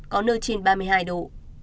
có nơi trên ba mươi hai độ